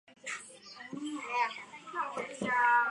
坦伯顿爵士希望以此来提升英国管理学的水平。